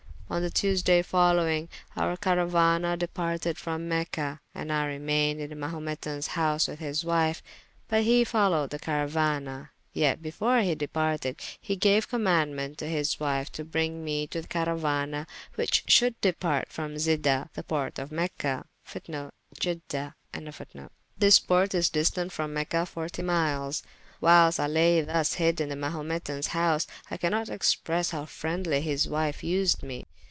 On the Tuesday folowyng, our carauana departed from Mecha, and I remayned in the Mahumetans house with his wyfe, but he folowed the carauana. Yet before he departed, he gaue commaundement to his wyfe to bryng me to the carauana, which shoulde departe from Zida[FN#50] the porte of Mecha to goe into India. This porte is distant from Mecha 40 miles. Whilest I laye [p.356] thus hyd in the Mahumetans house, I can not expresse how friendly his wyfe vsed me.